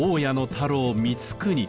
太郎光國。